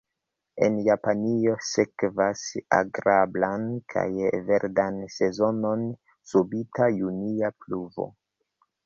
En Japanio sekvas agrablan kaj verdan sezonon subita junia pluvo.